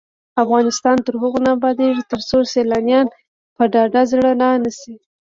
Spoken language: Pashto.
افغانستان تر هغو نه ابادیږي، ترڅو سیلانیان په ډاډه زړه را نشي.